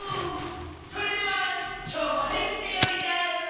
それではきょうもはりきってりょうりじゃ！